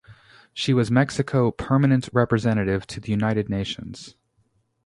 She was Mexico Permanent Representative to the United Nations.